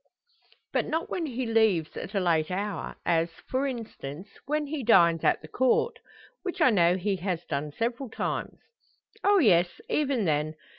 "But not when he leaves at a late hour as, for instance, when he dines at the Court; which I know he has done several times?" "Oh, yes; even then.